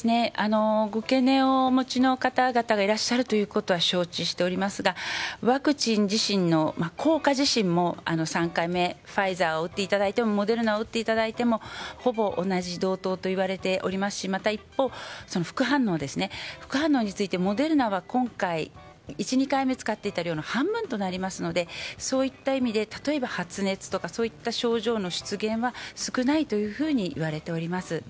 ご懸念をお持ちの方々がいらっしゃるということは承知しておりますがワクチン自身の効果自身も３回目、ファイザーを打っていただいてもモデルナを打っていただいてもほぼ同じ同等といわれておりますしまた一方副反応についてモデルナは今回１、２回目使っていた量の半分となりますのでそういった意味で例えば発熱といった症状の出現は少ないというふうにいわれております。